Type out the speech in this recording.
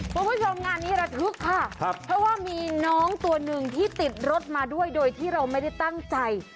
คุณผู้ชมงานนี้ระทึกค่ะเพราะว่ามีน้องตัวหนึ่งที่ติดรถมาด้วยโดยที่เราไม่ได้ตั้งใจ